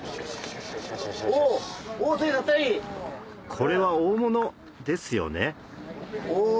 これは大物ですよね？